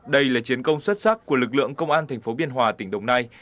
đây là chiến công xuất sắc của lực lượng công an thành phố biên hòa tỉnh đồng nai